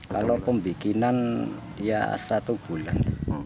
kalau pembikinan ya satu bulan